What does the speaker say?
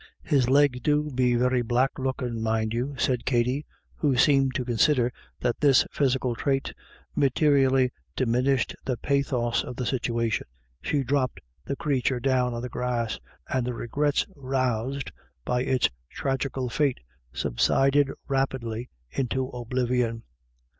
u His legs do be very black lookin', mind you/' said Katty, who seemed to consider that this physical trait materially diminished the pathos of the situation. She dropped the creature down on the grass, and the regrets roused by its tragical fate subsided rapidly into oblivion.